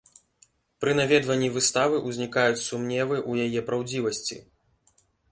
Пры наведванні выставы ўзнікаюць сумневы ў яе праўдзівасці.